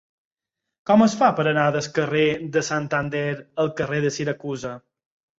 Com es fa per anar del carrer de Santander al carrer de Siracusa?